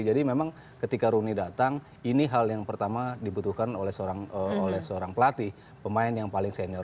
jadi memang ketika rooney datang ini hal yang pertama dibutuhkan oleh seorang pelatih pemain yang paling senior